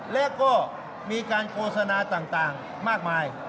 และก็มีการโฆษณาต่างมากมาย